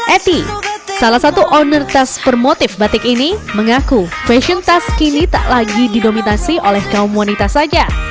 eti salah satu owner tas bermotif batik ini mengaku fashion tas kini tak lagi didominasi oleh kaum wanita saja